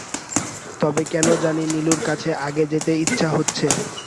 তবে কেন জানি নীলুর কাছে আগে যেতে ইচ্ছা হচ্ছে।